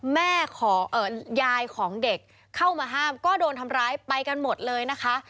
แม่ของยายของเด็กเข้ามาห้ามก็โดนทำร้ายไปกันหมดเลยนะคะ